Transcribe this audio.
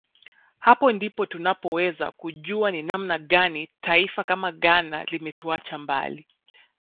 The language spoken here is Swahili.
Hapo ndipo tunapoweza kujua ni namna gani taifa kama Ghana limetuacha mbali